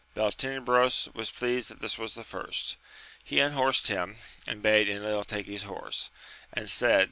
Beltenebros was pleased that this was the first : he unhorsed him, and bade Enil take his horse, and said.